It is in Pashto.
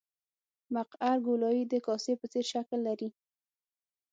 مقعر ګولایي د کاسې په څېر شکل لري